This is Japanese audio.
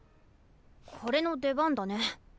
これの出番だね。